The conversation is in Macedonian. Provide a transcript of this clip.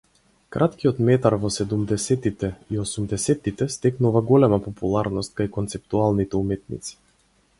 Краткиот метар во седумдесеттите и осумдесеттите стекнува голема популарност кај концептуалните уметници.